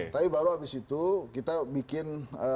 tapi baru habis itu kita bikin